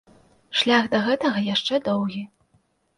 Шлях да гэтага яшчэ доўгі.